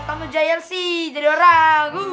tentu jayang sih jadi orang